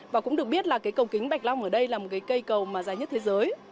và cũng được biết là cái cầu kính bạch long ở đây là một cái cây cầu mà dài nhất thế giới